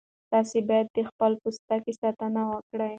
تاسي باید د خپل پوستکي ساتنه وکړئ.